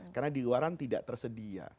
karena di luaran tidak tersedia